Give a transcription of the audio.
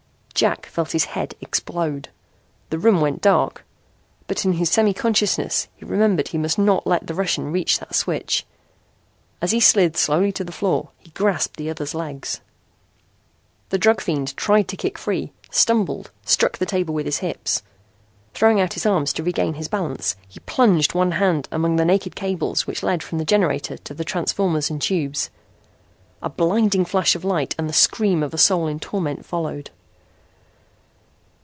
Jack felt his head explode. The room went dark. But in his semi consciousness he remembered he must not let the Russian reach that switch. As he slid slowly to the floor, he grasped the other's legs. The drug fiend tried to kick free, stumbled, struck the table with his hips. Throwing out his arms to regain his balance he plunged one hand among the naked cables which led from the generator to the transformers and tubes. A blinding flash of light and the scream of a soul in torment followed.